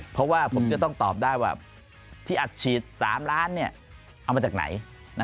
เพราะว่าผมจะต้องตอบได้ว่าที่อัดฉีด๓ล้านเอามาจากไหน